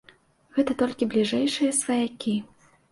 Гэта толькі бліжэйшыя сваякі.